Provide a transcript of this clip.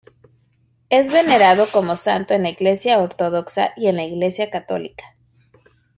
Es venerado como santo en la Iglesia ortodoxa y en la Iglesia católica.